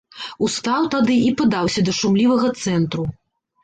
Устаў тады і падаўся да шумлівага цэнтру.